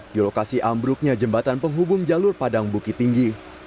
di lokasi ambruknya jembatan penghubung jalur padang bukit tinggi